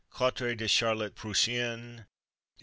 Quatre de Charlotte Prussienne.